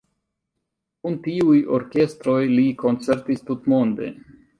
Kun tiuj orkestroj li koncertis tutmonde.